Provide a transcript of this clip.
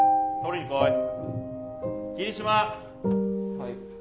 はい。